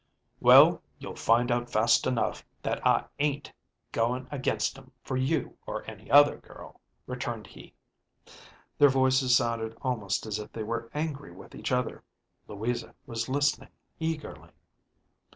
ďWell, you'll find out fast enough that I ain't going against Ďem for you or any other girl," returned he. Their voices sounded almost as if they were angry with each other. Louisa was listening eagerly.